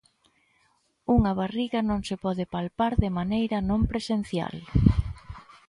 Unha barriga non se pode palpar de maneira non presencial.